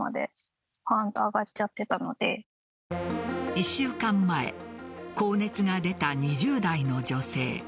１週間前高熱が出た２０代の女性。